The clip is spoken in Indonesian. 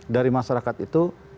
dari masyarakat itu